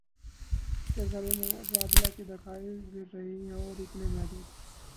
کہ زر مبادلہ کے ذخائر گر رہے ہیں اور اتنے محدود